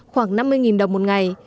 khoảng năm mươi nghìn đồng một ngày